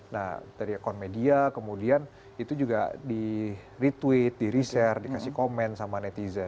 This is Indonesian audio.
nah dari akun media kemudian itu juga di retweet di reshare dikasih komen sama netizen